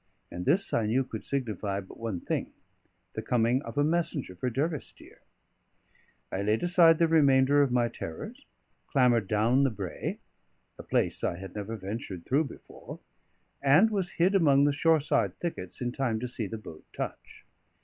And this I knew could signify but one thing, the coming of a messenger for Durrisdeer. I laid aside the remainder of my terrors, clambered down the brae a place I had never ventured through before and was hid among the shore side thickets in time to see the boat touch.